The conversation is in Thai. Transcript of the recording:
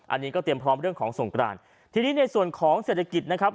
อันนี้ก็เตรียมพร้อมเรื่องของสงกรานทีนี้ในส่วนของเศรษฐกิจนะครับ